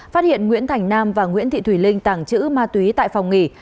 phát hiện nguyễn thành nam và nguyễn thị thùy linh tảng chữ ma túy tại phòng nghỉ